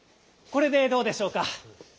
これでどうでしょうか？